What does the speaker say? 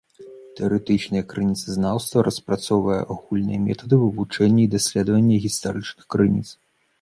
Тэарэтычнае крыніцазнаўства распрацоўвае агульныя метады вывучэння і даследавання гістарычных крыніц.